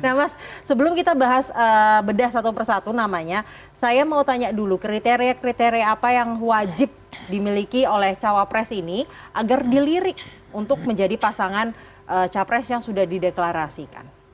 nah mas sebelum kita bahas bedah satu persatu namanya saya mau tanya dulu kriteria kriteria apa yang wajib dimiliki oleh cawapres ini agar dilirik untuk menjadi pasangan capres yang sudah dideklarasikan